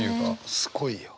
すごいよ。